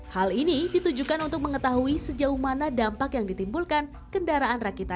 hal ini ditujukan untuk mengetahui sejauh mana dampak yang ditimbulkan kendaraan rakitan